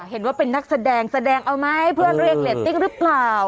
เห็นว่าเป็นนักแสดงแสดงเอาไหมเพื่อเรียกเรตติ้งหรือเปล่า